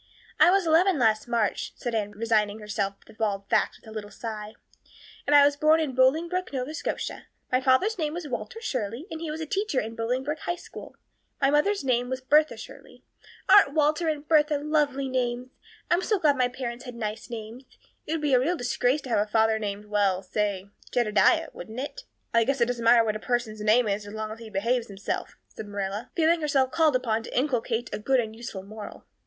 "I was eleven last March," said Anne, resigning herself to bald facts with a little sigh. "And I was born in Bolingbroke, Nova Scotia. My father's name was Walter Shirley, and he was a teacher in the Bolingbroke High School. My mother's name was Bertha Shirley. Aren't Walter and Bertha lovely names? I'm so glad my parents had nice names. It would be a real disgrace to have a father named well, say Jedediah, wouldn't it?" "I guess it doesn't matter what a person's name is as long as he behaves himself," said Marilla, feeling herself called upon to inculcate a good and useful moral.